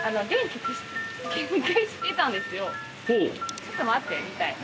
ちょっと待ってみたいな。